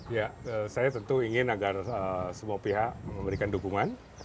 ya saya tentu ingin agar semua pihak memberikan dukungan